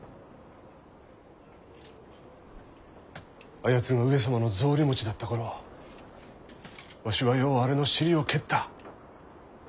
あやつが上様の草履持ちだった頃わしはようあれの尻を蹴った。